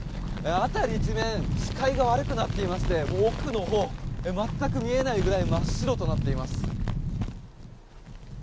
辺り一面視界が悪くなっていまして奥のほう、全く見えないくらい真っ白となっています。